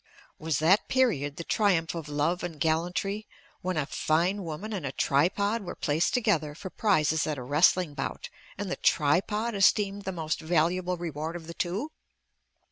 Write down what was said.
Was that period the triumph of love and gallantry, when a fine woman and a tripod were placed together for prizes at a wrestling bout, and the tripod esteemed the most valuable reward of the two?